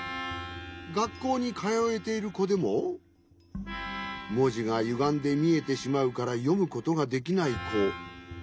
がっこうにかよえているこでももじがゆがんでみえてしまうからよむことができないこ。